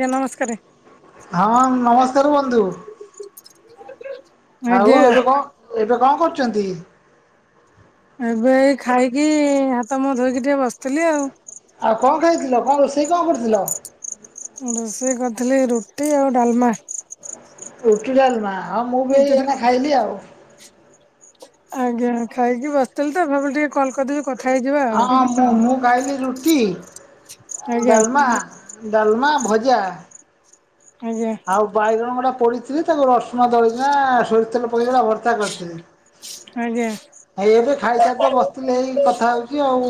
ଆଜ୍ଞା ନମସ୍କାରେ। ହଁ ନମସ୍କାରେ ବନ୍ଧୁ। ଆଉ ଆଜ୍ଞା ଏବେ କଣ, ଏବେ କଣ କରୁଛନ୍ତି? ଏବେ ଖାଇକି ହାତ ମୁହଁ ଧୋଇକି ଟିକେ ବସିଥିଲି ଆଉ। ଆଉ କଣ ଖାଇଥିଲ କଣ ରୋଷେଇ କଣ କରୁଥିଲ? ମୁଁ ରୋଷେଇ କରିଥିଲି ରୁଟି ଆଉ ଡାଲମା। ରୁଟି, ଡାଲମା ହଁ ମୁଁ ବି ଏଇ ଏଥିରେ ଏଇନା ଖାଇଲି ଆଉ। ଆଜ୍ଞା ଖାଇକି ବସ୍ ଥିଲି ତ ଭାବିଲି ଟିକେ କଲ୍ କରିଦେବି କ ହଁ ମୁଁ- ମୁଁ ଖାଇଲି ରୁଟି, ଆଜ୍ଞା ଡାଲମା। ଡାଲମା, ଭଜା। ଆଜ୍ଞା। ଆଉ ବାଇଗଣ ଗୋଟା ପଡିଥିଲି ତାକୁ ରସୁଣ ଦଳିକିନା ସୋରି ତେଲ ପକି ନା ଭର୍ତ୍ତା ଆଜ୍ଞା। କରିଥିଲି। ଏଇତ ଖାଇସାରି ତ ବସିଥିଲେି ଏଇ କଥା ହଉଚି ଆଉ।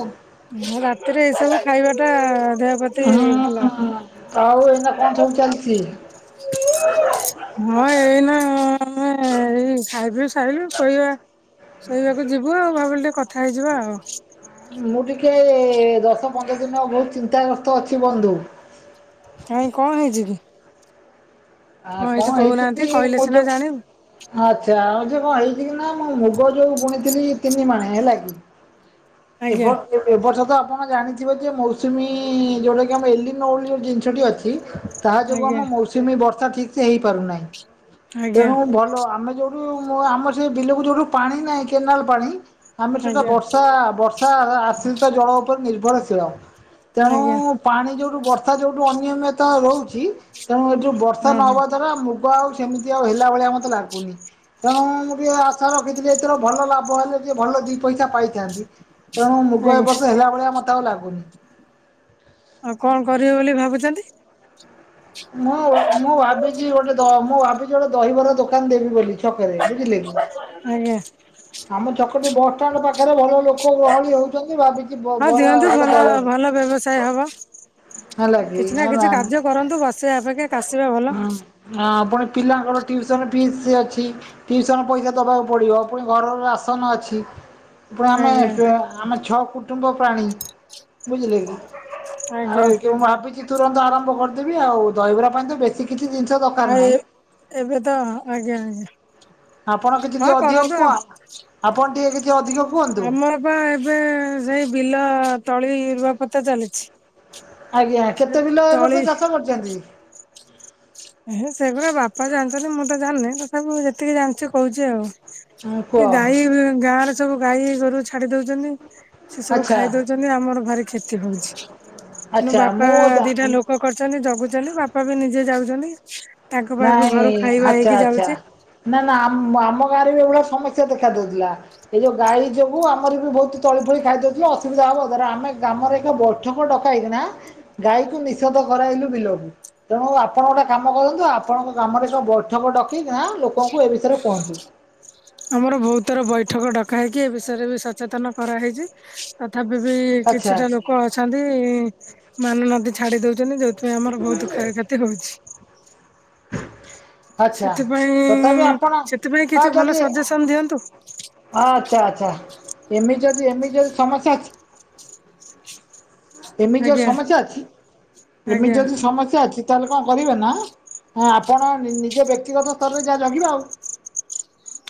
ରାତିରେ ଏଇସବୁ ଖାଇବା ଟା ଦେହ ପ୍ରତି ହୁଁ ଭଲ। ଆଉ ଏଇନା କଣ ସବୁ ଚାଲିଛି? ହଁ ଏଇ ନେ ଏଇ ଖାଇପି ସାଇଲୁ ଶୋଇବା। ଶୋଇବାକୁ ଯିବୁ ଆଉ ଭାବିଲି ଟିକେ କଥା ହେଇଯିବା ଆଉ। ମୁଁ ଟିକେ ଦଶ ପନ୍ଦର ଦିନ ବହୁତୁ ଚିନ୍ତାଗ୍ରସ୍ତ ଅଛି ବନ୍ଧୁ। ନାଇଁ କଣ ହେଇଚି କି? ଆ କଣ ହେଇଛି କହୁନାହାନ୍ତି କି କହିଲେ ମୁଁ ସିନା ଯୋଉ ଜାଣିବୁ। ଆଚ୍ଛା ଯାଉଚି କଣ ହେଇଛି କି ନାହଁ ମୁଁ ମୁଗ ଯୋଉ ବୁଣିଥିଲି ତିନି ମାଣେ ହେଲା କି। ଥିବ। ଆଜ୍ଞା ଏବ ବର୍ଷ ତ ଆପଣ ଜାଣିଥିବେ ଯେ ମୌସୁମୀ ଯେଉଁଟାକି ଆମ ଏଲିନୋ ବୋଲି ଯୋଉ ଜିନିଷଟି ଅଛି। ତାହା ଯୋଗୁଁ ଆଜ୍ଞା ଆମ ମୌସୁମୀ ବର୍ଷା ଠିକ୍ ସେ ହେଇପାରୁନାହିଁ ଆଜ୍ଞା ତେଣୁ ଭଲ ଆମେ ଯେଉ ଉ ଆମର ସେ ବିଲକୁ ଯୋଉଠୁ ପାଣି ନାହିଁ କେନାଲ ପାଣି। ଆମେ ସେଟା ଆଜ୍ଞା। ବର୍ଷା ବର୍ଷା ଆଶ୍ରିତ ଜଳ ଉପରେ ନିର୍ଭରଶୀଳ। ତେଣୁ ଆଜ୍ଞା ପାଣି ଯୋଉଠୁ ବର୍ଷା ଯୋଉଠୁ ଅନିୟମିତ ହୋଉଛି ତେଣୁ ଏଠୁ ବର୍ଷା ହଁ ହଁ ଧର ମୁଗ ଆଉ ସେମିତି ଆଉ ହେଲା ଭଳିଆ ମତେ ଲାଗୁନେହିଁ। ତେଣୁ ମୁଁ ଟିକିଏ ଆଶା ରଖିଥିଲି ଏଥର ଭଲ ଲାଭ ହେଲେ ଟିକେ ଭଲ ଦି ପଇସା ପାଇଥାନ୍ତି। ତେଣୁ ମୁଗ ଏ ଆଜ୍ଞା ବର୍ଷ ହେଲା ଭଳିଆ ମତେ ଆଉ ଲାଗୁନି। ଆଉ କଣ କରିବେ ବୋଲି ଭାବୁଚନ୍ତି? ମୁଁ ମୁଁ ଭାବିଚି ଗୋଟେ ମୁଁ ଭାବିଚି ଗୋଟେ ଦହିବରା ଦୋକାନ ଦେବି ବୋଲି ଛକରେ ବୁଝିଲେ। ଆଜ୍ଞା। ଆମ ଚକଟି ବସ୍ ଷ୍ଟାଣ୍ଡେ ପାଖରେ ଭଲ ଲୋକ ଗହଳି ହଉଛନ୍ତି ଭାବି ହଁ ଦିଅନ୍ତୁ ଭଲ ଭଲ ବ୍ୟବସା୍ ହବ ହେଲା କି କିଛି ନା ହେଲା କିଛି କାର୍ଯ୍ୟ କରନ୍ତୁ ବସିବାଅପେକ୍ଷା କାଶିବା ଭଲ। ହଁ ପୁଣି ପିଲାଙ୍କର ଟିୁସନ୍ ଫିସ୍ ଅଛି। ଟିଉସନ୍ ପଇସା ଦବାକୁ ପଡିବ ପୁଣି ଘରର ରାସନ ଅଛି। ଫୁଣି ଆମେ ଆଜ୍ଞା ଆମେ ଛଅ କୁଟୁମ୍ବ ପ୍ରାଣୀ ବୁଝିଲେ କି। ଆଉ ଆଜ୍ଞା ମୁଁ ଭାବିଚି ତୁରନ୍ତ ଆରମ୍ଭ କରିଦେବି ଆଉ ଦହିବରା ପାଇଁ ତ ବେଶୀ କିଛି ଜିନିଷ ଦରକାର ଆଁ ନାହିଁ ଏ ଏବେ ତ ଆଜ୍ଞା ଆଜ୍ଞା। ଆପଣ କିଛି ହଁ ଟିକେ ଅଧିକ କରନ୍ତୁ କୁହ ଆଉ। ଆପଣ ଟିକେ କିଛି ଅଧିକ କୁହନ୍ତୁ? ଆମର ବା ଏବେ ସେଇ ବିଲ ତଳି ରୁଆ ପୋତା ଚାଲିଛି। ଆଜ୍ଞା ସେ କେତେ କିଲ ଏବ ତଳି ବର୍ଷ ଚାଷ କରିଚନ୍ତି। ଏ ସେଗୁଡା ବାପା ଜାଣିଛନ୍ତି ମୁଁ ତ ଜାଣିନି ତଥାପି ମୁଁ ଯେତିକି ଜାଣିଚି କହୁଚି ଆଉ। ଏ କୁହ ଗାଈ ଗାଁ ରେ ସବୁ ଗାଈ ଗୋରୁ ଛାଡି ଦୋଉଚନ୍ତି ସେ ସବୁ ଖାଇ ଦୋଉଚନ୍ତି। ଆକ୍ଚୁ ଆଲି ଆମର ଭାରି କ୍ଷେତି ହୋଉଚି ଆଚ୍ଛା ମୋବାପା ମୁଁ ଯା ଦିଟା ଲୋକ କରୁଚନ୍ତି ଜଗୁଚନ୍ତି ବାପା ବି ନିଜେ ଯାଉଚନ୍ତି ତାଙ୍କ ପାଇଁ ବି ଘରୁ ନାଇଁ ଖାଇବା ଆଚ୍ଛା ହେଇକି ଆଚ୍ଛା ଯାଉଚି। ନା ନା ଆମ ଆମ ଗାଁରେ ବି ଏଭଳିଆ ସମସ୍ୟା ଦେଖା ଦୋଉଥିଲା। ଏଇ ଯୋଉ ଗାଈ ଯୋଗୁ ଆମର ବି ବହୁତ ତଳି ଫଳି ଖାଇଦଉଛି ଅସୁବିଧା ହବ ଧର ଆମ ଗ୍ରାମର ବି ବ ସବୁ ଡକା ହେଇକି ନା ଗାଈକୁ ନିଷୋଧ କରାଇଲୁ ବିଲକୁ। ତେଣୁ ଆପଣ ଗୋଟେ କାମ କରନ୍ତୁ ଆ ଆପଣଙ୍କ ଗ୍ରାମରେ ଏକ ବୈଠକ ଡକେଇକି ନା ଲୋକଙ୍କୁ ଏ ବିଷୟରେ କୁହନ୍ତୁ। ଆମର ବହୁତୁ ଥର ବୈଠକ ଡକା ହେଇକି ଏ ବିଷୟରେ ବି ସଚେତନ କରାହେଇଚି। ତଥାପି ବି ଆଚ୍ଛା କିଛିଟା ଲୋକ ଅଛନ୍ତି ମାନୁନାହାତି ଛାଡି ଦୋଉ ଦିନ କୁ ଏଥିର ଆମର ବହୁତୁ କ୍ଷୟ ଖେତି ହୋଉଛି। [unintelligible] ଆଚ୍ଛା ତଥାପି ସେଥିପାଇଁ ଆପଣ ସେଥିପାଇଁ କିଛି ଭଲ ସଜେସନ ଦିଅନ୍ତୁ। ଅ ଆଚ୍ଛା, ଆଚ୍ଛା [inaudible] ଏମିତି ଯଦି, ଏମିତି ଯଦି ସମସ୍ୟା ଅଛି। ଏମିତି ଯ ଆଜ୍ଞା। ସମସ୍ୟା ଅଛି [inaudible] ଏମିତି ଆଜ୍ଞା ଯଦି ସମସ୍ୟା ଅଛି, ତାହେଲେ କଣ କରିବେ ନା, [inaudible] ଆପଣ ନିଜ ବ୍ୟକ୍ତିଗତ ସ୍ତରରେ ଯାହା ଜଗିବେ ଆଉ।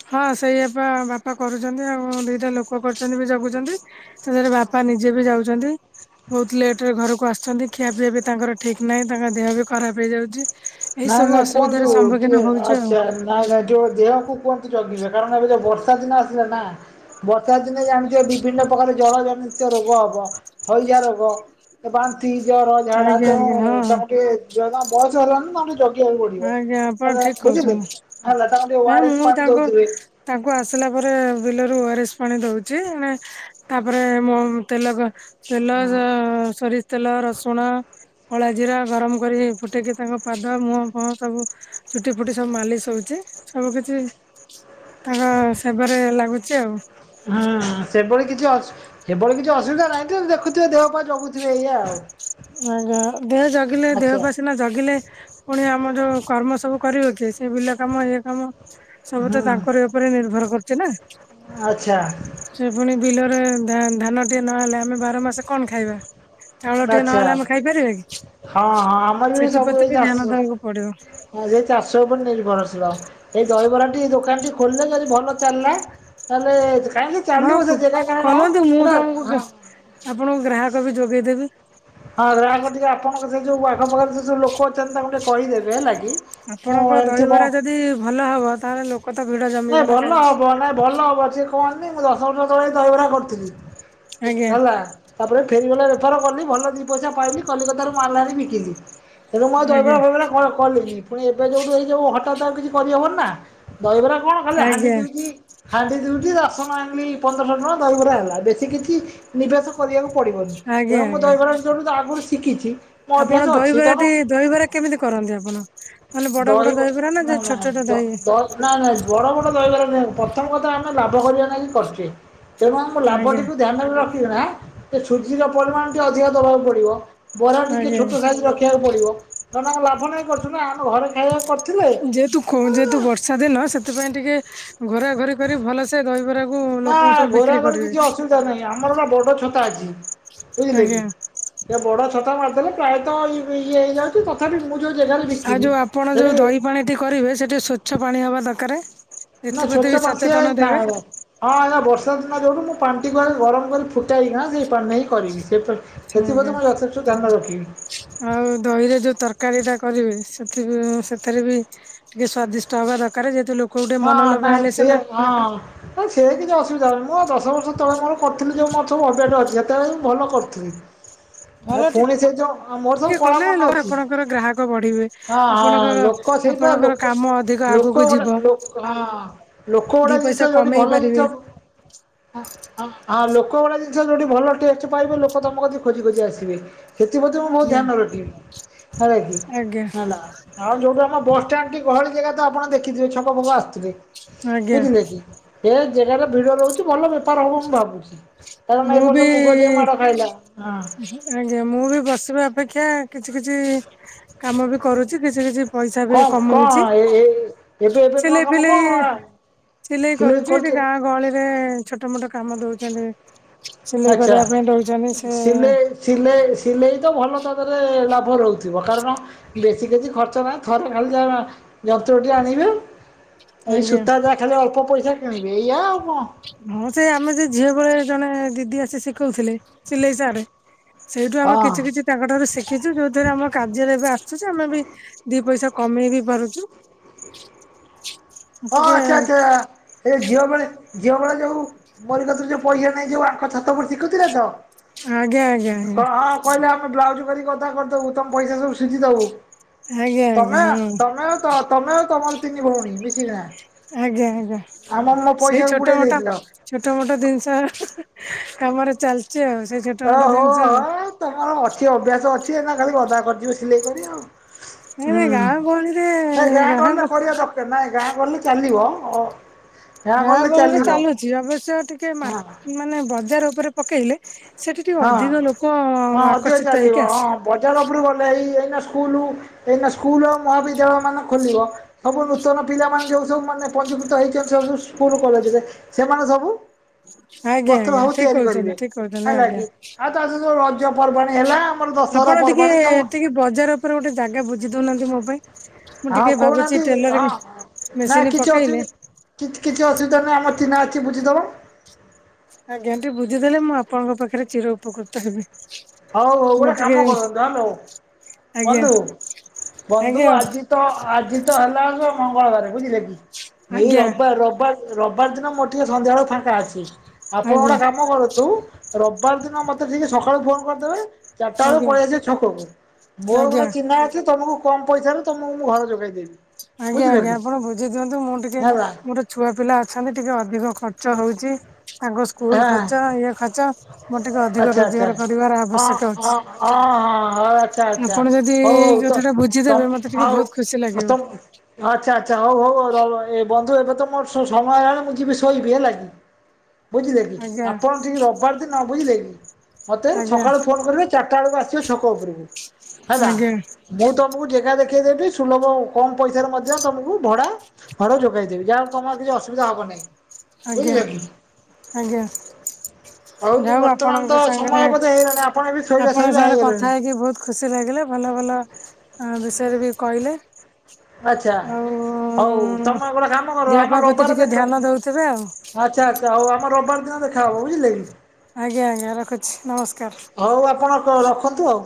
ହଁ ସେଇଆପା, ବାପା କରୁଚନ୍ତି ଆଉ, ଦିଟା ଲୋକ କରୁ ଚନ୍ତି ବି ଜଗୁଚନ୍ତି। ସେଜରେ ବାପା ନିଜେ ବି ଯାଉଚନ୍ତି। ବହୁତ ଲେଟେ ରେ ଘରକୁ ଆସୁଛନ୍ତି, ଖିଆ ପିଇବା ବି ତାଙ୍କର ଠିକ ନାହିଁ, ତାଙ୍କ ଦେହ ବି ଖରାପ ହେଇଯାଉଚି। ନାଇଁ, ନାଇଁ କୁହନ୍ତୁ, ଟିକେ ହଉଛୁ ଆଉ ଆଚ୍ଛା ନାଇଁ ନାଇଁ, ତ ଦେହକୁ କୁହନ୍ତୁ ଜଗିବେ, କାରଣ ଏବେ ଯୋଉ ବର୍ଷା ଦିନ ଆସିଲା ନା, ବର୍ଷା ଦିନେ ଜାଣିଥିବେ, ବିଭିନ୍ନ ପ୍ରକାର ଜଳ ଜନିତ ରୋଗ ହବ। ହଇଜ ରୋଗ, ବାନ୍ତି, ଜର, ଝାଡା ଆଜ୍ଞା ତେଣୁ ଆଜ୍ଞା ହଁ। ତାଙ୍କୁ ଟିକେ ଯେ ମା ବୟସ ହେଲାଣି ନାତାକୁ ଟିକେ ଜ ଦେଖିବାକୁ ପଡିବ, ଆଜ୍ଞା ଆପଣ ଏ ଲା ଠିକ ବୁଝିଲେ, କହୁଛନ୍ତି ହେଲା ତାଙ୍କୁ ଓ ନାଇଁ ଆର ଏସ୍‌ ମୁଁ ପାଣି ତାଙ୍କୁ ଦଉଥିବେ। ତାଙ୍କୁ ଆସିଲା ପରେ, ବିଲରୁ ଓ ଆର ଏସ୍ ପାଣି ଦଉଚି ଏଣେ ତାପରେ ମୋ ତେଲଗ- ତେଲ ଜ ସୋରି ତେଲ, ରସୁଣ, [inaudible] କଳା ଜିରା, ଗରମ କରି ଫୁଟେଇକି ତାଙ୍କ ପାଦ ମୁଁହ ହଁ, ସବୁ ଚୁଟି ଫୁଟି ସବୁ ମାଲିସ୍‌ ହଉଚି ସବୁ କିଛି। [inaudible] ତାଙ୍କ, ସେବାରେ ଲାଗୁଚ ଆଉ ହୁଁ ସେଭଳି କିଛି ଅ ଏଭଳି କିଛି ଅସୁବିଧା ନାହିଁ ତ, ଦେଖୁଥିବ ଦେହ ପାଆଁ ଜଗୁଥିବେ ଏଇୟା ଆ ଆଜ୍ଞା, ଦେହ ଜଗିଲେ, ଦେହ ପା ସିିନା ଜଗିଲେ, [inaudible] ପୁଣି ଆମର କର୍ମ ସବୁ କରିବ କିଏ। ସେ ବିଲ କାମ, ଇଏ କାମ--ସବୁ ହୁଁ ତ ତାଙ୍କରି ଉପରେ ନିର୍ଭର କରୁଛି ନା। ଆଚ୍ଛା। ସେ ପୁଣି ବିଲରେ, ଧା ଧାନ ଟେ ନହେଲେ ଆମେ ବାର ମାସ କଣ ଖାଇବା? ସେ ଆଚ୍ଛା ନହେଲେ ଆମେ ଖାଇପାରିବା କି, ହଁ ହଁ ଆମର [inaudible] ସେଥିପ୍ରତି ବି ଧ୍ୟାନ ଦବାକୁ ପଡିବ। ହଁ, ସେଇ ଚାଶ ଉପରେ ନିର୍ଭର ଶିଳ ଏଇ ଦହିବରା ଟି, ଦୋକାନ ଟି, ଖୋଲିଦେଲେ ଯଦି ଭଲ ଚାଲିଲା। ତାହେଲେ, କାଇଁକି ହଁ ଚାଲିବ ସେ [unintelligible] ହଁ ଆପଣ କୁ ଗ୍ରାହକ ବି ଯୋଗେଇଦେବି। ହଁ, ଗ୍ରାହକ ଟିକେ ଆପଣଙ୍କ ସେ ଯୋଉ ଆଖ ପାଖରେ ସେ ଯୋଉ ଲୋକ ଅଚନ୍ତି, ତାଙ୍କୁ ଟିକେ କହିଦେବେ ହେଲା କି? ମୁଁ ଆପଣଙ୍କ ଏମିତି ଦହିବରା ମୋ ଯଦି -ଭଲ ହବ, ତାହେଲେ ଲୋକ ତ ଭିଡ ଜମିବ ନା କାଲିଠୁ। କଣନି ମୁଁ ଦଶ ବର୍ଷ ତଳେ ଦହିବରା କରିଥିଲି [inaudible] ଆଜ୍ଞା ହେଲା ତାପରେ ଫେରି ବାଲା ବେପାର କଲି, ଭଲ ଦି ପଇସା ପାଇଲି କଲିକତରୁ ମାଲ୍‌ ଆଣି ବିକିଲି ତେଣୁ ମୁଁ, ଆଉ ଦହିବରା ଆଜ୍ଞା ଫଇବରା କ କଲିନି ପୁଣି ଏବେ ଯେଉଁଠୁ ଏଇ ଜୋଉଁ ହଠାତ୍ ଆଉ କିଛି କରିହେବନି ନା ଦହିବରା କଣ, ଖାଲି ହାଣ୍ଡି ଆଜ୍ଞା ଦେଉଛି। ହାଣ୍ଡି ଦୁଇଟି, ରାଶନ ଆଣିଲି ପନ୍ଦରଶହ ଟଙ୍କା ଦହିବରା ହେଲା ବେଶୀ କିଛି ନିବେଶ କରିବାକୁ ପଡ଼ିବନି, ତେଣୁ ଆଜ୍ଞା ମୁଁ ଆଜ୍ଞା ଦହିବାର ଜେଣୁ ଆଗରୁ ଶିଖିଛି ମୋ ଆପଣ ଅଭ୍ୟାସ ଅଛି ତେଣୁ ଦହିବରାଟି ଦହିବରା କେମିତି କରନ୍ତି ଆପଣ? ମାନେ, ବଡ ବଡ ଦହିବରା ନା ଛୋଟ ଛୋଟ ଦହି ନାଇଁ, ନାଇଁ ବଡ ବଡ ଦହିବାର ନାହିଁ, ପ୍ରଥମ କଥା ହେଲା ଲାଭ କରିବା ନାଗି କରିଚି। ତେଣୁ ଆମ ଆଜ୍ଞା ଲାଭଟିକୁ ଧ୍ୟାନରେ ରଖିକିନା, ଏ ସୁଜିର ପରିମାଣ ଟିକେ ଅଧିକ ଦବାକୁ ପଡିବ। ବରା ଟିକେ ଆଜ୍ଞା। ଛୋଟ ସାଇଜ ରଖିବାକୁ ପଡିବ, ନହେଲେ ଆମ ଲାଭ ପାଇଁ କରୁଛୁ ନା, ଆମେ ଘରେ ଖାଇବାକୁ କରୁ ଯେହେତୁ, ଖୋ ଯେହେତୁ ବର୍ଷା ଦିନ, ସେଥିପାଇଁ ଟିକେ ଘରାଘରି କରି ଭଲସେ ଦହିବରା ନା, ଘରା ଘରି କିଛି ଅସୁ ନାଇଁ, ଆମର ଗୋଟେ ବଡ ଛତା ଅଛି ବୁଝିଲେ କି। ଆଜ୍ଞା। ଏ, ବଡ ଛତା ମାରିଦେଲେ, ପ୍ରାୟତଃ ଇ ଇଏ ହେଇଯାଏ। ତଥାପି ମୁଁ ଯୋଉ ଜେଗା ଆଉ ଯୋଉ ଆପଣ ଯୋଉ ଦହି ପାଣି ଟି କରିବେ ସେଠି ସ୍ଵଚ୍ଛ ପାଣି ହବା ଦରକାର। ନା ଏଥିପ୍ରତି ଛୋଟ ବି ବସିଆ ସଚେତନ ନା ଦେବେ ଆ ହଁ ଆଜ୍ଞ! ବର୍ଷା ଦିନ ଯୋଉଠୁ ମୁଁ ପାଣି ଟିକୁ ଗରମ କରି ଫୁଟାଇି କିନା ସେଇ ପାଣିରେ ହିଁ କରିବି। ସେ ସେଥି ପ୍ରତି ଆଜ୍ଞା। ମୁଁ ଯଥେଷ୍ଟ ଧ୍ୟାନ ରଖିବି। ଆଉ ଦହିରେ ଯୋଉ ତରକାରୀ ଟା କରିବେ ସେଥି ବ ସେଥିରେ ବି ଟିକେ ସ୍ଵାଦିଷ୍ଟ ହବା ଦରକାର ଯେହେତୁ ଲୋକ ଗୋଟେ ହଁ ପା ମନଲୋଭା ହେଲେ ଛି ସିନା ହଁ! ନାଇଁ ସେ କିଛି ଅସୁବିଧା ହବନି ମୁଁ ଦଶ ବର୍ଷ ତଳେ ମୋର କରିଥିଲି ଯେଉ ମୋର ସବୁ ଅଭ୍ୟାଟ ଅଛି ସେତେବେଳେ ମୁଁ ଭଲ କରୁଥିଲି। [unintelligible] ଭଲ ଆଉ ଟିକେ ପୁଣି ସେ ଯୋଉ ମୋର ସବୁ ଟିକେ କଳା କଲେ ମନ ଲୋକ ଅଛି ଆପଣଙ୍କର ଗ୍ରାହକ ବଢିବେ। ହଁ ଆପଣଙ୍କର ଲୋ ହଁ, ସେଇପା ଆପଣଙ୍କର ଲୋକ କାମ ଅଧିକ ଲୋକ ଆଗକୁ ମାନେ ଯିବ ଲୋକ ହଁ, ଲୋକ ଦି ଗୋଟା ପଇସା ଜିନିଷ ଯୋଉଠି କମେଇ ଭଲ ପାରିବେ। ଜିନିଷ ଆଁ ଲୋକ ଗୋଟା ଜିନିଷ ଯୋଉଠି ଭଲ ଟେଷ୍ଟ ପାଇବେ ଲୋକ ତମ କତିକି ଖୋଜି ଖୋଜି ଆସିବେ। ସେଥିପ୍ରତି ମୁଁ ବହୁତ ଆଜ୍ଞା ଧ୍ୟାନ ରଖିବି ହେଲା କି ଆଜ୍ଞା ହେଲା। ଆଉ ଯୋଉଠୁ ଆମ ବସ ଷ୍ଟାଣ୍ଡ ଟି ଗହଳି ଜାଗା ତ ଆପଣ ଦେଖିଥିବେ ଛକ ଫକ ଆସୁଥିଲେ। ଆଜ୍ଞା ବୁଝିଲେ କି। ସେ ଜାଗାରେ ଭିଡ ରହୁଛି ଭଲ ବେପାର ହବ ମୁଁ ଭାବୁଛି। କାରଣ ଏ ମୁଁ ବି ବର୍ଷ ମୁଗ ଯେ ମାଡ ଖାଇଲା। ହଁ, ଆଜ୍ଞା! ମୁଁ ବି ବସିବା ଅପେକ୍ଷା କିଛି କିଛି କାମ ବି କରୁଛି କିଛି କିଛି ପଇସା ବି କଣ କଣ କମଉଛି ଏ ଏ ଏବେ ଏବେ ନୂଆ ସିଲେଇ କାମ ଫିଲେଇ କଣ ସିଲେଇ କରୁଛି ଏଠି ଗାଁ ଗହଳିରେ ଛୋଟ ମୋଟ କାମ ଦଉଛନ୍ତି। ସିଲେଇ ଆଛା! କରିବା ପାଇଁ ଦଉଛନ୍ତି ସେ ସିଲେଇ ସିଲେଇ ସିଲେଇ ତ ଭଲ ତା ଧିଅରେ ଲାଭ ରହୁଥିବ କାରଣ ବେଶୀ କିଛି ଖର୍ଚ୍ଚ ନାହିଁ ଥରେ ଖାଲି ଯାହା ଯନ୍ତ୍ରଟି ଆଣିବେ। ଏଇ ଆଜ୍ଞା। ସୂତା ଯାହା ଖାଲି ଅଳ୍ପ ପଇସା କିଣିବେ। ଏଇଆା ଆଉ କଣ? ହଁ, ସେ ଆମେ ସେ ଝିଅ ବେଳେ ଜଣେ ଦିଦି ଆସି ଶିଖଉଥିଲେ ସିଲେଇ ସାର୍। ସେଇଠୁ ଆମେ ହଁ କିଛି କିଛି ତାଙ୍କ ଠାରୁ ଶିଖିଛୁ ଯୋଉଥିରେ ଆମ କାର୍ଯ୍ୟରେ ଏବେ ଆସୁଛି ଆମେ ବି ଦି ପଇସା କମେଇ ବି ପାରୁଛୁ। ହଁ, ଟିକେ ଆଚ୍ଛା! ଆଚ୍ଛା! ଏ ଝିଅ ବଳେ ଝିଅ ବେଳେ ଯୋଉ [unintelligible] କତିରୁ ପଇସା ନେଇ ଯୋଉ ଆଙ୍କ ଛାତ ଉପରେ ଶିଖଉଥିଲେ ତ। ଆଜ୍ଞା ଆଜ୍ଞା ଆଜ୍ଞା ହଁ ହଁ। କହିଲେ ଆମେ ବ୍ଲାଉଜ କରି କଥା କରିଦବୁ ତମ ପଇସା ସବୁ ସୁଝି ଦବୁ ଆଜ୍ଞା ଆଜ୍ଞା ତମେ ହଁ ତମେ ଆଉ ହଁ, ତମେ ଆଉ ତମର ତିନି ଭଉଣୀ ମିଶିବା। ଆଜ୍ଞା! ଆଜ୍ଞା! ସେଇ ପଇସାକୁ ଛୋଟ ବୁଡେଇ ମୋଟ ଦେଇଥିଲ। ଛୋଟ ମୋଟ ଜିନିଷ ହିଁ, ହିଁ, କାମରେ ଚାଲିଛି ଆଉ ସେ ଛୋଟ ମୋଟ ଓହୋ ଜିନିଷ। ହୋ ତମର ଅଛି, ଅଭ୍ୟାସ ଅଛି ଏଇନା ଖାଲି ଗଦା କରିଯିବ ସିଲେଇ କରି ଆଉ। ନାଇଁ ନାଇଁ ହୁଁ, ଗାଁ ଗହଳିରେ ନାଇ ଗାଁ ଗହଳି ରେ କରିବା ଦ ନାଇଁ ଗାଁ ଗହଳି ରେ ଚାଲିବ। ଗାଁ ଗହଳିରେ ଚାଲୁଛି ଅବଶ୍ୟ ଟିକେ ହଁ ମାର୍ ମାନେ ବଜାର ଉପରେ ପକେଇଲେ ସେଠି ଟିକେ ହଁ ଅଧିକ ଲୋକ ହଁ ଅଧିକ ଆକର୍ଷିତ ଚାଲିବ ହେଇକି ହଁ ଆସିବେ। ବଜାର ଉପରକୁ ଗଲେ ଏଇ ଏଇନା ସ୍କୁଲ ଏଇନା ସ୍କୁଲ୍ ମହାବିଦ୍ୟାଳୟ ମାନ ଖୋଲିବ। ସବୁ ନୂତନ ପିଲାମାନେ ଯୋଉ ସବୁ ମାନେ ପଞ୍ଜିକୃତ ହେଇଛନ୍ତି ସ୍କୁଲ କଲେଜ ରେ। ସେମାନେ ସବୁ ଆଜ୍ଞା ବସ୍ତ୍ର ଆଜ୍ଞା ଭାବ ଠିକ ତିଆରି କରିବେ କହୁଛନ୍ତି ଠିକ କହୁଛନ୍ତି ହେଲା ଆଜ୍ଞା। କିି। ଆଉ ତା ସହ ଯୋଉ ରଜ ପର୍ବାଣୀ ହେଲା। ଆମର ଦଶହରା ଆପଣ ଟିକେ ପର୍ବାଣୀ ସବୁ ଟିକେ ବଜାର ଉପରେ ଗୋଟେ ଜାଗା ବୁଝି ଦଉନାହାନ୍ତି ମୋ ପାଇଁ। ମୁଁ ହଁ ଟିକେ ଭାବୁଛି କହୁନାହାନ୍ତି ଟେଲରିଂ ହଁ ନା ମେସିନି କିଛି ଅସୁ ପକେଇଲେ କିଛି -କିଛି ଅସୁବିଧା ନାହିଁ ଆମର ଚିହ୍ନା ଅଛି ବୁଝିଦବ। ଆଜ୍ଞା ଟିକେ ବୁଝିଦେଲେ ମୁଁ ଆପଣଙ୍କ ପାଖେରେ ଚିର ଉପକୃତ ହେବି। ହଉ ହଉ ଗୋଟେ ମୋର କାମ ଟିକେ କରନ୍ତୁ ହାଲୋ ଆଜ୍ଞା ବନ୍ଧୁ- ବନ୍ଧୁ ଆଜ୍ଞା ଆଜି ତ ଆଜି ତ ହେଲା ମଙ୍ଗଳବାର ବୁଝିଲେ କି ଏଇ ଆଜ୍ଞା ରବିବାର୍-ରବିବାର୍ ରବିବାର ଦିନ ମୋର ଟିକେ ସନ୍ଧ୍ୟାବେଳେ ମୋର ଟିକେ ଫାଙ୍କା ଅଛି ଆପଣ ଆଜ୍ଞା ଗୋଟେ କାମ କରନ୍ତୁ ରବିବାର ଦିନ ମତେ ଟିକେ ସକାଳୁ ଫୋନ୍ କରିଦେବେ ଚାରିଟା ବେଳକୁ ଆଜ୍ଞା ପଳେଇଆସିବେ ଛକକୁ ମୋର ଗୋଟେ ଆଜ୍ଞା ଚିହ୍ନା ଅଛି ତମକୁ କମ୍ ପଇସାରୁ ତମକୁ ମୁଁ ଘର ଯୋଗେଇଦେବି। ଆଜ୍ଞା ଆଜ୍ଞା ଆପଣ ବୁଝି ଦିଅନ୍ତୁ ମୁଁ ଟିକେ ହେଲା ମୁଁ ଛୁଆ ପିଲା ଅଛନ୍ତି ଟିକେ ଅଧିକ ଖର୍ଚ୍ଚ ହଉଚି ତାଙ୍କ ସ୍କୁଲ୍ ହଁ ଖର୍ଚ୍ଚ ଇଏ ଖର୍ଚ୍ଚ ମୋର ଟିକେ ଅଧିକ ଆଚ୍ଛା ଆଚ୍ଛା ରୋଜଗାର କରିବାର ହଁ ଆବଶ୍ୟକ ହଁ ଅଛି। ହଁ- ହଁ ହଉ ଆଚ୍ଛା ଆଚ୍ଛା ଆପଣ ଯଦି ହଉ ଏଇ କଥା ଟା ତ-ତମ ବୁଝିଦେବେ ମତେ ଟିକେ ଆଉ ବହୁତ ଖୁସି ଲାଗିବ ତମ ଆଚ୍ଛା- ଆଚ୍ଛା ହଉ- ହଉ ର- ଏ ବନ୍ଧୁ ଏବେ ତ ମୋର ସମୟ ହେଇଗଲାଣି ମୁଁ ଯିବି ଶୋଇବି ହେଲା କିି ବୁଝିଲେ କି ଆଜ୍ଞା ଆପଣ ଟିକେ ରବିବାର ଦିନ ବୁଝିଲେ କି ମତେ ଆଜ୍ଞା ସକାଳୁ ଫୋନ୍ କରିବେ ଚାରିଟା ବେଳକୁ ଆସିବେ ଛକ ଉପରକୁ ହେଲା ଆଜ୍ଞା ମୁଁ ତମ ତମକୁ ଜେଗା ଦେଖେଇ ଦେବି ସୁଲଭ କମ୍ ପଇସାରେ ମଧ୍ୟ ତମକୁ ଭଡା ଘର ଯୋଗାଇ ଦେବି ଯାହା ତମର କିଛି ଅସୁବିଧା ହବ ନାହିଁ। ବୁଝିଲେ ଆଜ୍ଞା- କି। ଆଜ୍ଞା। ତୁ ଯାହା ହଉ ବର୍ତ୍ତମାନ ତ ଆପଣଙ୍କ ସମୟ ସାଙ୍ଗେରେ- ବୋଧେ ହେଇଗଲାଣି ଆପଣ ବି ଶୋଇବା ଆପଣଙ୍କ ଶୋଇବା ସାଙ୍ଗେରେ ହେଇଗଲେଣି। କଥା ହେଇକି ବହୁତ୍ ଖୁସି ଲାଗିଲା ଭଲ ଭଲ ଅଁ-ବିଷୟରେ ବି କହିଲେ। ଆଚ୍ଛା ଆଉ ହଉ ତମେ ଗୋଟେ କାମ କର ଦେହ ଆମ ପା ପ୍ରତି ରବିବାର ଟିକେ ଦେଖା ଧ୍ୟାନ ଦଉଥିବେ ଆଉ। ଆଚ୍ଛା ଆଚ୍ଛା ଆଉ ଆମର ରବିବାର ଦିନ ଦେଖା ହବ ବୁଝିଲେ କି। ଆଜ୍ଞା ଆଜ୍ଞା ରଖୁଚି ନମସ୍କାର୍। ହଉ ଆପଣ କ-ରଖନ୍ତୁ ଆଉ।